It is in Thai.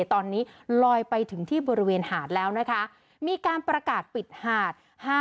ตอนนี้ลอยไปถึงที่บริเวณหาดแล้วนะคะมีการประกาศปิดหาด